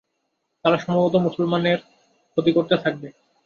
তারা সম্ভবত মুসলমানদের ক্ষতি করতে থাকবে।